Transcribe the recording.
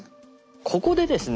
ここでですね